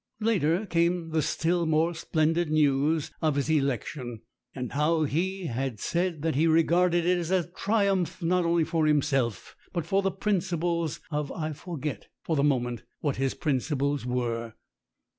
Later came the still more splendid news of his election, and how he had said that he regarded it as a triumph not for himself, but for the principles of I forget for the moment what his principles were.